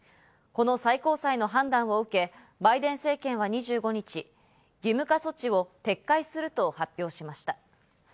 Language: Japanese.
この最高裁の判断を受けバイデン政権は２５日、義務化措置を撤回すると発表しました。